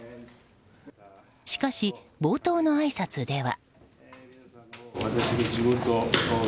しかし、冒頭のあいさつでは。